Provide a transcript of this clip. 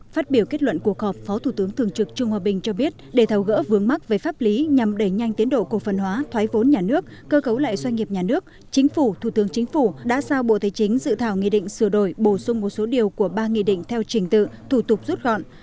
phát biểu kết luận cuộc họp phó thủ tướng thường trực trung hòa bình cho biết để thảo gỡ vướng mắc về pháp lý nhằm đẩy nhanh tiến độ cổ phần hóa thoái vốn nhà nước cơ cấu lại doanh nghiệp nhà nước chính phủ thủ tướng chính phủ đã sao bộ thế chính dự thảo nghị định sửa đổi bổ sung một số điều của ba nghị định theo trình tự thủ tục rút gọn